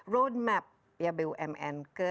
roadmap bumn ke